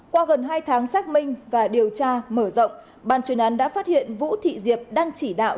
qua gần hai tháng xác minh và điều tra mở rộng ban chuyên án đã phát hiện vũ thị diệp đang chỉ đạo